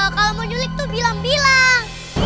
kalau mau nyulik tuh bilang bilang